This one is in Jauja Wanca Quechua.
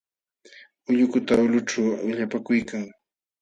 Ullukutam ulqućhu allapakuykan.